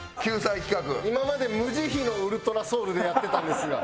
今まで無慈悲のウルトラソウルでやってたんですが。